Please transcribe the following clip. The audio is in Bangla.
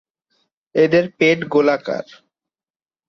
এদের পেট গোলাকার।